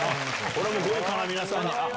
これはもう豪華な皆さん。